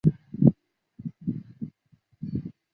尚旺的总面积为平方公里。